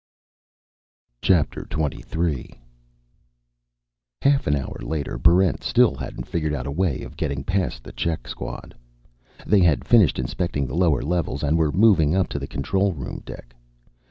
Chapter Twenty Three Half an hour later, Barrent still hadn't figured out a way of getting past the check squad. They had finished inspecting the lower levels and were moving up to the control room deck.